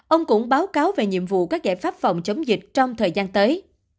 ông cũng báo cáo về nhiệm vụ các giải pháp phòng chống dịch trong thời gian tới